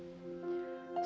luar biasa banyak